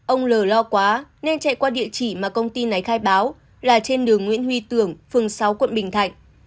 ông l lo quá nên chạy qua địa chỉ mà công ty nấy khai báo là trên đường nguyễn huy tường phương sáu quận bình thạnh